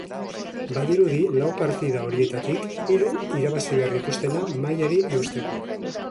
Badirudi lau partida horietatik hiru irabazi behar dituztela mailari eusteko.